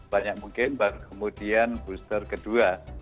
banyak mungkin baru kemudian booster kedua